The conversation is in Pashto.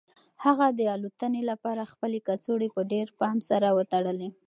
هغه د الوتنې لپاره خپلې کڅوړې په ډېر پام سره وتړلې.